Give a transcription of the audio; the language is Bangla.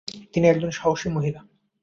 তিনি একজন সাহসী মহিলা।